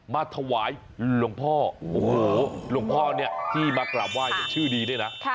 มาถวายหลวงพ่อโอ้โหหลวงพ่อเนี่ยที่มากราบไหว้ชื่อดีด้วยนะ